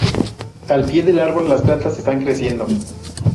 Al pie del árbol, las plantas están creciendo.